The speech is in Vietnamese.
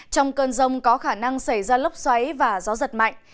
trong cơn rông có khả năng xảy ra lốc xoáy và gió giật mạnh